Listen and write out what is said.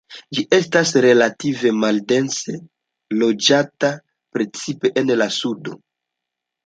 Ĝi estas relative maldense loĝata, precipe en la sudo.